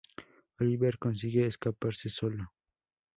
Olivier consigue escaparse solo.